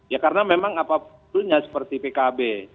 ya karena memang apapun seperti pkb